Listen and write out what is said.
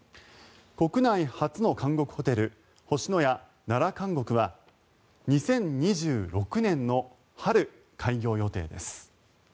国内初の監獄ホテル星のや奈良監獄は２０２６年の春、開業予定です。